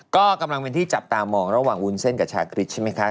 ก็กำลังเป็นที่จับตามองระหว่างวุ้นเส้นกับชาคริสใช่ไหมคะ